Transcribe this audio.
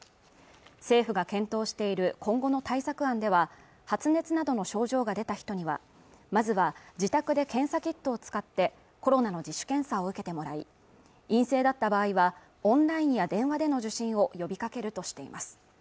政府が検討している今後の対策案では発熱などの症状が出た人にはまずは自宅で検査キットを使ってコロナの自主検査を受けてもらい陰性だった場合はオンラインや電話での受診を呼びかけるとしています